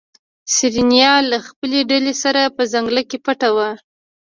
سېرېنا له خپلې ډلې سره په ځنګله کې پټه وه.